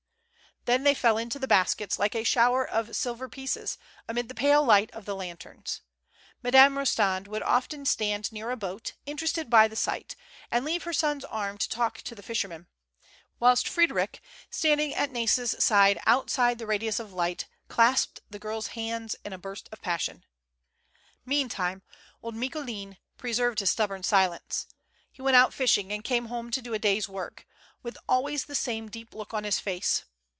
Then they fell into the baskets, like a shower of silver pieces, amid the pale light of the lan terns. Madame Rostand would often stand near a boat, interested by the sight, and leave her son's arm to talk to the fishermen, whilst Frederic, standing at Nais's side, outside the radius of light, clasped the girl's hands in a burst of passion. Meantime old Micoulin preserved his stubborn silence. He went out fishing and came home to do a day's work, with always the same deep look on his face.